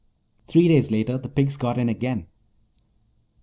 Three days later the pigs got in again.